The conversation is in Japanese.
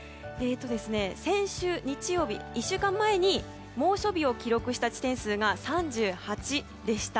先週日曜日、１週間前に猛暑日を記録した地点数が３８でした。